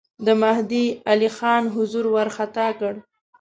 د مهدی علي خان حضور وارخطا کړ.